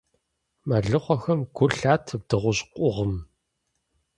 Мэлыхъуэхэм гу лъатэ дыгъужь къугъым.